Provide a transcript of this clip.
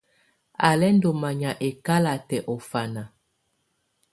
Á lɛ́ ndɔ́ manyá ɛ́kalatɛ̀ ɔ fana.